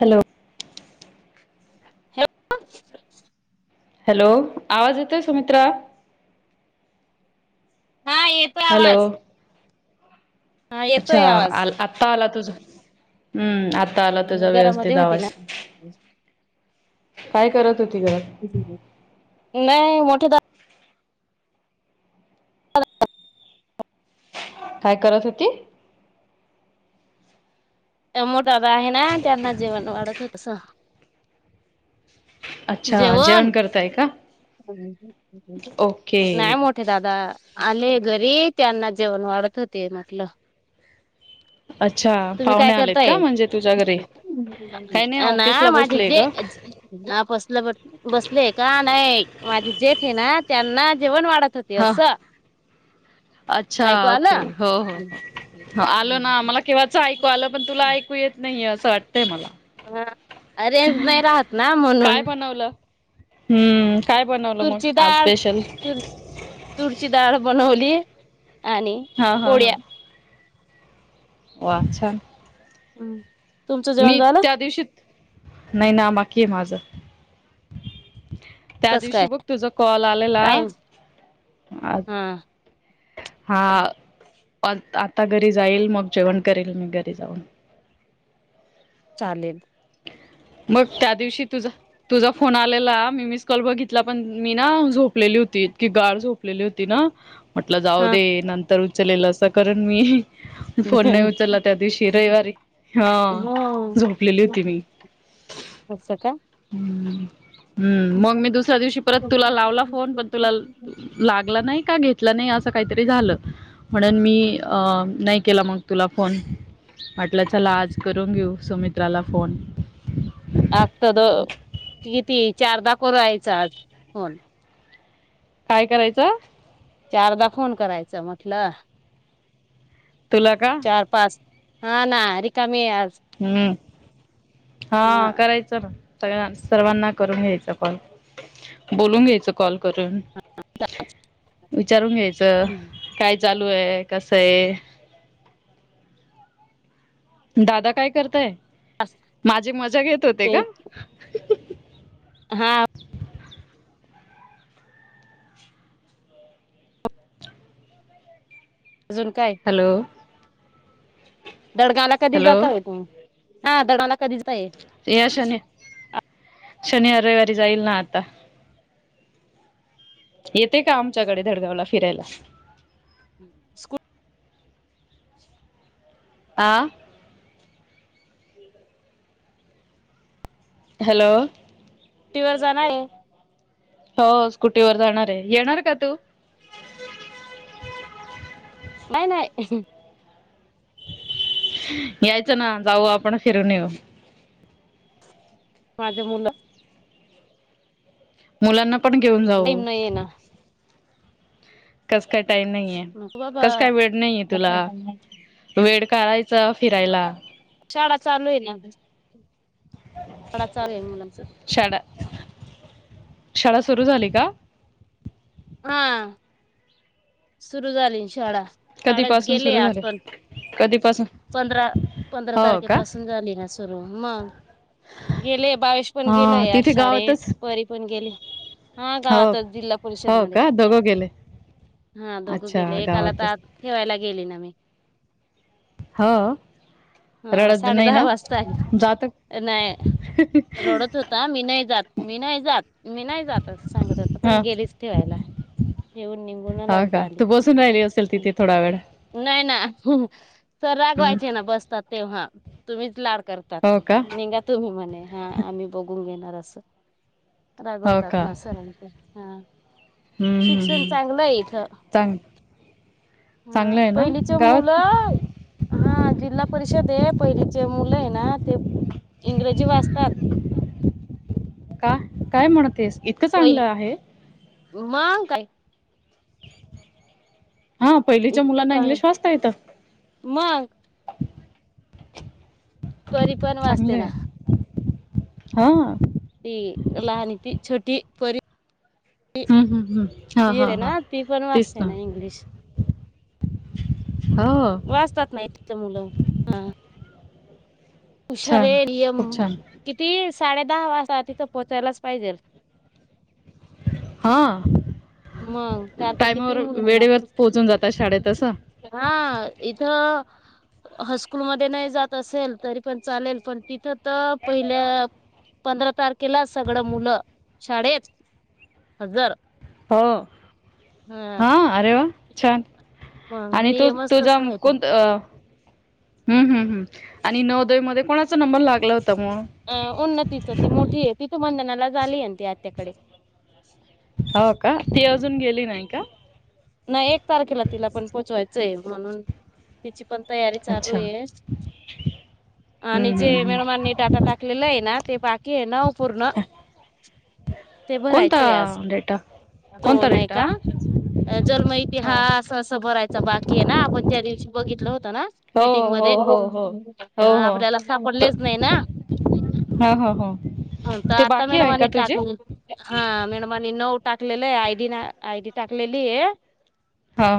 Hello. हॅ [unintelligible] hello, आवाज येतोय सुमित्रा? हा, येेतो हॅलो आवाज. हा अच्छा. येतोय आ आवाज -आत्ता आला तुझ. हम्म. आता आला मी तुझा व्यवस्थित घरामध्ये होती ना आवाज. काय करत होती ग नाही मोठे दा काय करत होती? मोठे दादा आहे ना, त्यांना जेवण वाढत होते. अच्छा. जेवण करताय का? ओके नाही. मोठे दादा आले घरी त्यांना जेवण वाढत होते म्हटलं. [inaudible] अच्छा. तुम्ही काय पाहुणे आलेत का करताय म्हणजे तुझ्या घरी? काही नाही ना ऑफिसला, माझे बसलेय जे ग. [unintelligible] बसले का नाही माझी जेठ आहे ना त्यांना जेवण वाढत होते हा असं अच्छा ऐकू ओके ओके हो हो हो आल ना मला आलं केव्हाच ऐकू आलं पण तुला ऐकू येत नाही येतेय मला हा रेंज नाही राहत ना काय म्हणून बनवलं हम्म काय बनवलं मग तुरची आज डाळ स्पेशल तूर तुरची डाळ बनवली आणि हा हा पोळ्या हा वा छान हम मी त्या दिवशीत नाही ना बाकी आहे माझ त्या कस दिवशी काय बघ तुझ कॉल आलेला टाईम हा हा. आता घरी जाईल मग जेवण करेल मी घरी जाऊन चालेल [inaudible] मग त्या दिवशी तुझा तुझा फोन आलेला मी मिसकॉल बघितला पण मी ना झोपलेली होती. इतकी गाढ झोपलेली होती ना म्हटलं जाऊ हा दे नंतर उचलेल असं करून मी फोन नाही उचलला त्या दिवशी रविवार हा होती मी अस काय हम्म हम्म मग मी दुसऱ्या दिवशी परत तुला लावला फोन पण तुला लागला नाही का घेत नाही असं काहीतरी झालं म्हणून मी नाही केला मग तुला फोन म्हटलं चला आज करून घेऊ सुमित्राला फोन आता द किती चारदा करु रायचा आज फोन काय करायचं? चारदा फोन करायचं म्हटलं. तुला का चार पाच हा ना रिकामी आहे आज हम्म हा करायचं ना सग सर्वांना करून घ्यायचं पण बोलून घ्यायचं कॉल करून विचारून घ्यायच. काय चालू आहे कस आहे दादा काय करताय माझी मजा घेत होते ते का? हा. अजून काय? हॅलो दडगा ला कधी हॅलो जाताय तुम्ही हा दडगा या शनी शनिवार, रविवारी जाईल ना आता येते का आमच्याकडे धडगावला फिरायला? हम् स्कू आ हॅलो की जाना आहे. हो स्कुटीवर जाणार आहे. येणार का तू? नाही नाही. यायचं ना जाऊ आपण फिरून येऊ. माझ्या मुलं मुलांना पण घेऊन टाईम जाऊ. नाही ना कस काय टाईम नाहीये बाबा कस काय वेळ नाहीे तुला वेळ काढायचं. शाळा चालू आहे ना शाळा चालू आहे मुलांच [inaudible] सुरू झाली का? हा. सुरू झाली शाळा शाळेत कधीपासून गेले सुरू आज झाले पण कधीपासून पंधरा पंधरा हो का तारखेपासून झाली ना सुरू मग गेले बावीस पण हा गेलाय तिथे शाळेत गावातच परी पण गेली. हा हो गावतच जिल्हा परिषद हो मध्ये. का दोघं गेले हा दोघं अच्छा गेले एकाला त गावातच आत ठेवायला गेले ना मी. हो. हा रडत साडे नाही दहा ना वाजता आ जात नाय. रोडत होता, मी नाही जात, मी नाही जात, मी नाही जात असं सांगत होत पण गेलीच ठेवायला. ह [inaudible] ठेऊन निघून आलास. का तू बसून राहिली असेल तिथे थोडा वेळ नाही ना सर हम्म रागवायचे ना बसतात तेव्हा तुम्हीच लाड करतात हो का निंगा तुम्ही म्हणे हा आम्ही बघून घेईन. अस हो रागवतात का ना सर आनखी हा. हम्म हम्म शिक्षण हम्म चांगलंय इथं. चांग चांगलं ह आहे ना पहिलीच गावात मुलं हा जिल्हा परि षधे पहिलीचे मुलंय ना ते इंग्रजी वाचतात. का काय म्हणतेस इतकं चांगलं पहिली आहे? मग काय? हा पहिलीच्या इतकं मुलांना चांगलं इंग्लिश वाचता येत. मग परिपण वाचते चांगलं ना. आहे हा. ते लहान ती छोटी परी हम्म हम्म हम्म हा हा आहे हा ना ती पण तेच वाचते ना. इंग्लिश हो वाचतात ना ईथच मुलं हा. हुशरे छान लयम खूप छान कितीस साडे दहा वाजता तिथं पोहचायलाच पाहिजेल. हा. मग त्या तर किती टायमावर मुलांना वेळेवर पोहोचून जातात शाळेत अस. हा इथ हास्कूल मध्ये नाही जात असेल तरी पण चालेल पण तिथं त पहिले पंधरा तारखेला सगळं मुलं शाळेत हजर. हो ह हा अरे वा छान. मग आणि तो नियमच तु तस जा आहे ते कोणत अ हम्म हम्म हम्म. आणि नवदय मध्ये कोणाचा नंबर लागला हो अं उन्नतीच ती मोठी आहे ति तू बंधनालाच आलीय ती आत्याकडे. हो का ते. नाही एक तारखेला तिला पण पोहोचवायचंय म्हणून तिची पण तयारी अच्छा चालूये आणि हम्म जे हम्म मॉडमानी डाटा टाकलेलाये ना ते नाव पूर्ण हम्म ते कोणता भरायचंय आज डेटा तो कोणता नाही डेटा का जन्म ह इतिहास अस भरायचा बाकीये ना आपण त्या दिवशी बघित ना हो मिटिंग हो मध्ये हो हो हो आपल्याला सापडलेच नाही ना. हा हा ह. त ते आता बाकी आहे मॅडमनी का टाक तुझे हा मॅडमानी नऊ टाकलेलंये आयडी ना आयडी टाकलेलीये. हा.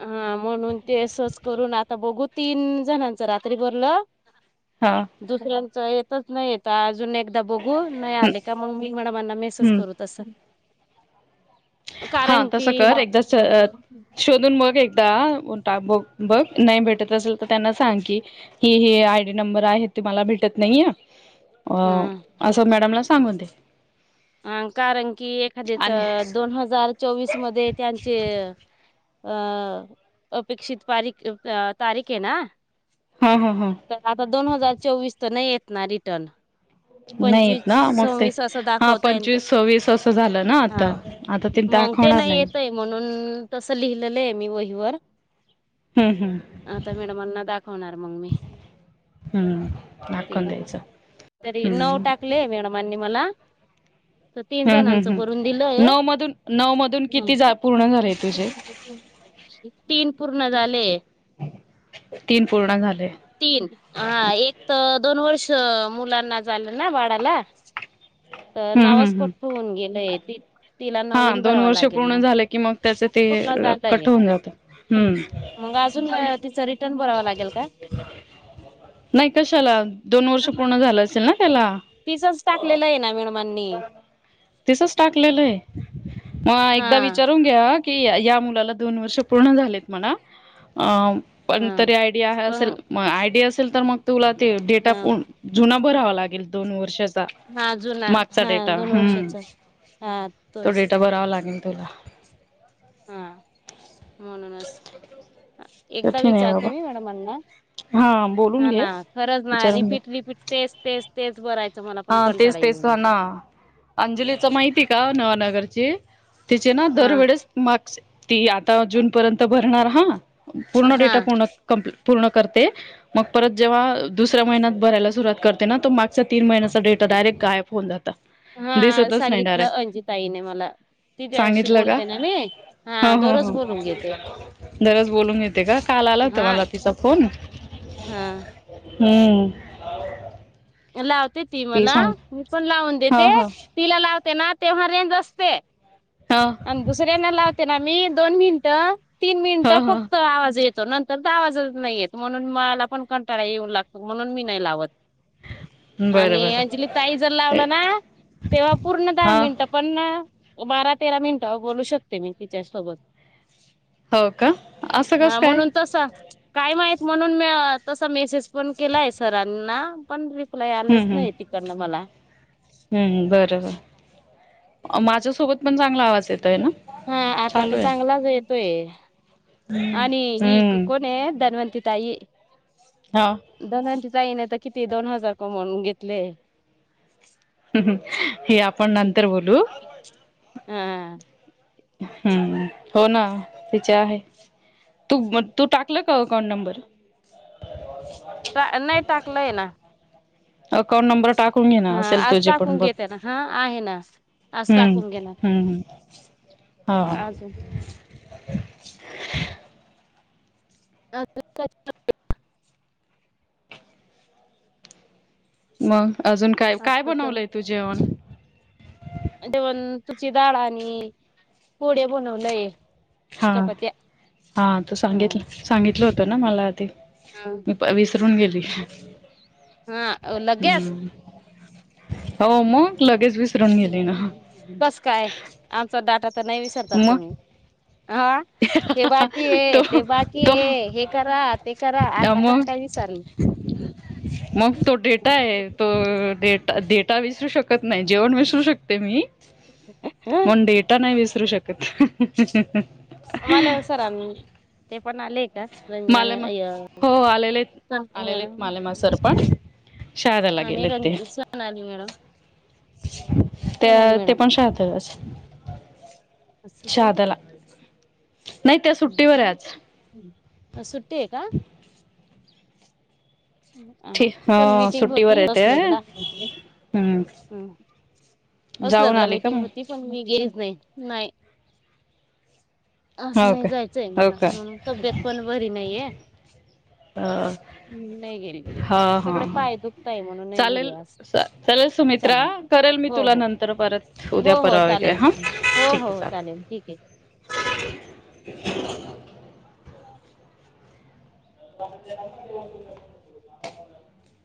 हा म्हणून ते असच करून आता बघू तीन जणांच रात्री भरलं. हा दुसऱ्यांच येतच नाही येत अजून एक एकदा बघू नाही हम्म आले का मग मी मॉडमाना मेसेज हम्म करू तसं हा कारण की तस कर हा एकदा शोधून मग एकदा बघ नाही भेटत असेल तर त्यांना सांग की ही हीआयडी नंबर आहे मला भेटत नाही टा नाही अ अस मॅडमला सांगून दे अ कारण की एखाद्याच आणि दोन हजार हजार चोवीस मध्ये त्यांचे अ अपेक्षित पारीख तारीखे ना हा हा हा तर आता दोन हजार चोवीस तर नाही येत ना रिटर्न नाही पंचवीस येत ना मग ते सव्वीस असं हा दाखवत पंचवीस सव्वीस असं झालं ना आता हा आता मग ते दाखवणार नाही येतय म्हणून अम् तसं लिहिलेलं आहे मी वहीवर हम्म हम्म आता मॅडमांना दाखवणार मग मी हम्म ते दाखवून द्यायचं तरी नऊ हम्म टाकले मॅडमांनी मला तर तीन हम्म हम्म जणांचं भरून हम्म दिलं आहे नऊ मधून नऊ मधून किती जा पूर्ण झाले तुझे तीन पूर्ण होईना झालंय तीन पूर्ण झाले तीन एक तर दोन वर्ष मुलांना झालं ना वाढायला तर हम्म हम्म नावास हम्म कोठठं होऊन गेलंय त तिला हा नवीन दोन भरावा वर्ष लागेल पूर्ण मग झालं की मग त्याचं ते चांगे कट होऊन जातं. हम्म अजून तिच रिटर्न बरावं लागेल का नाही कशाला दोन वर्ष पूर्ण झालं असेल ना त्याला फिसच टाकलेलं आहे ना मेडमांनी तसच टाकलेलं आहे. मग एकदा विचारून घ्या की या मुलाला दोन वर्ष पूर्ण झालेत म्हणा अ पण हा तरी आयडिया आहे असेल पण म आयडिया असेल तर मग तुला ते डेटा हा जुना पुरावा लागेल दोन वर्षाचा हा जुना मागचा हा डेटा दोन ह वर्षाचा हा तो तोच डेटा भरावा लागेल तुला हा म्हणूनच एकदा कठीण आहे विचारते बाबा मी मॅडमाना हा बोलून हा घे ना खरंच ना विचारून घ्या. रिपीट रिपीट तेच तेच तेच बराय हा तेच तेच ना अंजलीच माहिती का नवानगरची त्याचे ना हा दरवेळेस मार्क्स ती आता जून पर्यंत भरणार हा पूर्ण डेटा हा पूर्ण कंप्ली पूर्ण करते मग परत जेव्हा दुसऱ्या महिन्यात भरायला सुरुवात करते ना तो मागच्या तीन महिन्या डेटा डारेक्ट गायब होऊन जात हा सांगितलं अंजिताईने मला ती त्याशी सांगितलं का बोलते ना मी हा दरोज बोलून घेते दरोज बोलून घेते का काल आलं होत मला तिचा फोन हम् हम्म लावते ती मला मी पण लावून ह देते ह तिला लावते ना तेव्हा रेंज असते ह आणि दुसऱ्याना लावते ना मी दोन मिनिटं तीन ह मिनिटं ह फक्त आवाज येत नंतर तर आवाज नाही येत म्हणून मला पण कंटाळा येऊ लागतो म्हणून मी नाही लावत बरं आणि बरं अंजली ताई जर लावलं ना तेव्हा पूर्ण दहा हा मिनिटं पण बारा तेरा मिनिटं बोलू शकते मी तिच्यासोबत हो का असं हा कसं काय म्हणून तसा काय माहीत म्हणून मी तसा मेसेज पण केलाय सरांना पण रिप्लाय हम्म आलाच हम्म नाही तिकडनं मला हम्म बरोबर माझ्यासोबत पण चांगला आवाज येत हा आता तर चांगलाच येतोय आणि ही हम्म कोण आहे धन्वंती ताई हा धन्वती जाई नाही तर किती दोन हजार कमून घेतले हम हम हे आपण नंतर बोलू हा हम्म हो ना त्याच्या आहे तूब तू टाकलं का अकाउंट नंबर? ट नाहीय टाकलय ना अकाउंट नंबर टाकून घे ना हा असेल आज तुझे पण टाकून बघ घेते ना हा आहे ना हम्म हम्म [unintelligible] अजू [inaudible] [unintelligible] मग अजून काय काय तर बनवलंय तू जेवण? जेवण तुडीची डाळ आणि पोडे बनवलंय हा चपात्या हा तो सांगितल हा. सांगितलं होतं ना मला ते [unintelligible] विसरून गेली हा लग्यास हम्म हो म बस काय आमचा डाटा तर नाही विसरतात मग तुम्ही हा हे बाकी ये तो ते बाकी तो ये हे करा ते करा आता कस मग काय विचारल? मग तो डेटा आहे तो डेटा डेट विसरू शकत नाय जेवण विसरू शकते मी पण डेटा नाय [unintelligible] मला सरांन ते पण आलेय हित संंजना मला मॅ म हो आलेले मॅडम [unintelligible] शादला आणि गेलेत रं ते सोनाली मॅडम सोनाली त्या ते मॅडम पण [unintelligible] शहाद्याला [unintelligible] नाही त्या सुट्टीवर आहे आज सुट्टी आहे का? ठीक पण हो मीटिंग सुट्टीवर होती आहे ते बसल होतान हम्म असल जाऊन तला आले का मीटिंग मग होती पण मी गेलीच नाही नाही असं हो नाही का जायचंय हो मला का म्हणून तब्येत पण बरी नाहीये [unintelligible] नाही गेली हा हा सगडे हा बाय दुखतय म्हणून नाही गेले चालेल अस चालेल हो तु हो नंतर परत हो उद्या हो परवा वगैरे चालेल हा हो ठीक हो आहे हो चालेल ठीक आहे चालेल [inaudible] [inaudible]